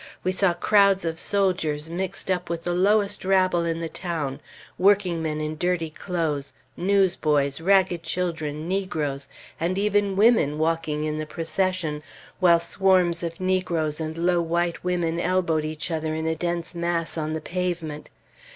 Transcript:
We saw crowds of soldiers mixed up with the lowest rabble in the town, workingmen in dirty clothes, newsboys, ragged children, negroes, and even women walking in the procession, while swarms of negroes and low white women elbowed each other in a dense mass on the pavement.